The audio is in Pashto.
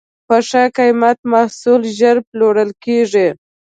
په ښه قیمت محصول ژر پلورل کېږي.